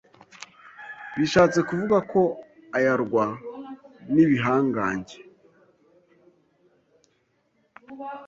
bishatse kuvuga ko ayarwa n’ibihangange”